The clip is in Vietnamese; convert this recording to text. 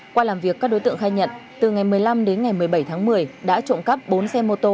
qua làm việc các đối tượng khai nhận từ ngày một mươi năm đến ngày một mươi bảy tháng một mươi đã trộm cắp bốn xe mô tô